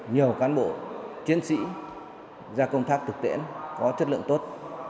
nhiều cán bộ chiến sĩ ra công tác thực tiễn có chất lượng tốt